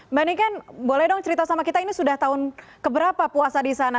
mbak niken boleh dong cerita sama kita ini sudah tahun keberapa puasa di sana